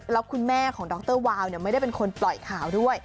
แล้วคุณแม่ของดรวาวไม่ได้เป็นคนปล่อยข่าวด้วย